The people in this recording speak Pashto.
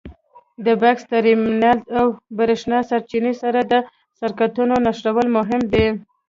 د بکس ټرمینل او برېښنا سرچینې سره د سرکټونو نښلول مهم دي.